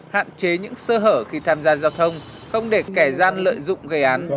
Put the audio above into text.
hạn chế những sơ hở khi tham gia giao thông không để kẻ gian lợi dụng gây án